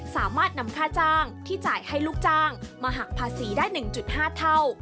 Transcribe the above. สามารถนำค่าจ้างที่จ่ายให้ลูกจ้างมาหักภาษีได้๑๕เท่า